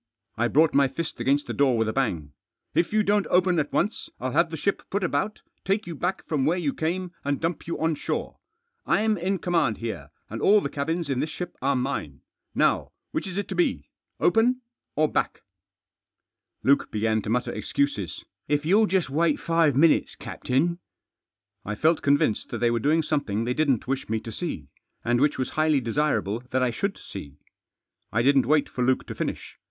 " I brought my fist against the door with a bang. " If you don't open at once, I'll have the ship put about, take you back from where you came, and dump you on shore. I'm in command here, and all the cabins in this ship are mine. Now, which is it to be — open ?— or back ?" Luke began to mutter excuses. " If you'll just wait five minutes, captain " Digitized by Google THE FATHER— AND HIS CHILD. 267 I felt convinced that they were doing something they didn't wish me to see, and which was highly desirable that I should see. I didn't wait for Luke4o finish.